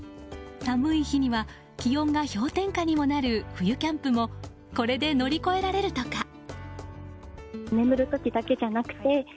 寒い日には、気温が氷点下にもなる冬キャンプもこれで乗り越えられるとか。